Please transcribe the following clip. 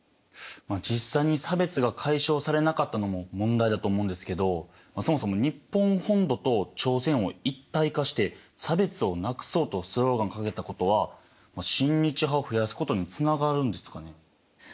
実際に差別が解消されなかったのも問題だと思うんですけどそもそも日本本土と朝鮮を一体化して差別をなくそうとスローガンを掲げたことは親日派を増やすことにつながるんですかね？